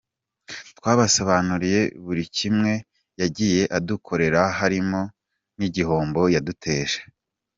Twabasobanuriye buri kimwe yagiye adukorera harimo n’igihombo yaduteje”.